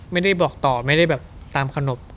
ไม่ได้บอกต่อไม่ได้แบบตามขนบ